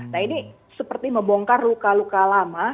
nah ini seperti membongkar luka luka lama